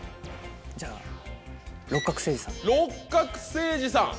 じゃあ六角精児さん。